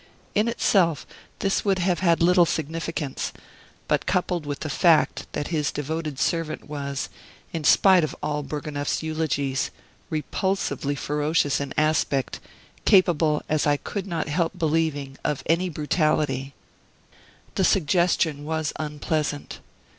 In itself this would have had little significance; but coupled with the fact that his devoted servant was in spite of all Bourgonef's eulogies repulsively ferocious in aspect, capable, as I could not help believing, of any brutality, the suggestion was unpleasant.